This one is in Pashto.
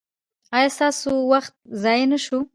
ایا ستاسو وخت ضایع نه شو؟